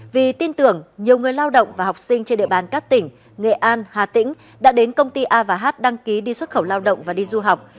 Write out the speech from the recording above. vì tin tưởng nhiều người lao động và học sinh trên địa bàn các tỉnh nghệ an hà tĩnh đã đến công ty a h đăng ký đi xuất khẩu lao động và đi du học